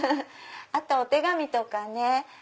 あとお手紙とかね。